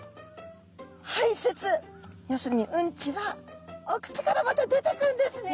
はいせつ要するにうんちはお口からまた出てくるんですね。